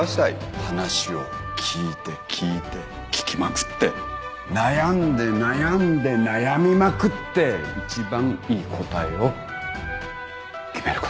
話を聞いて聞いて聞きまくって悩んで悩んで悩みまくって一番いい答えを決めること。